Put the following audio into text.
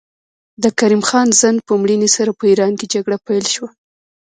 د کریم خان زند په مړینې سره په ایران کې جګړه پیل شوه.